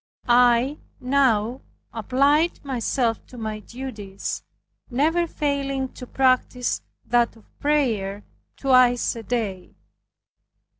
I now applied myself to my duties, never failing to practice that of prayer twice a day.